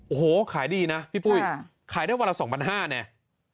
โอ้โหขายดีนะพี่ปุ้ยขายได้วันละ๒๕๐๐เนี่ย